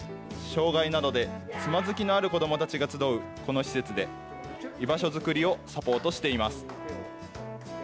障害などでつまずきのある子どもたちが集うこの施設で、居場所作りをサポートしています。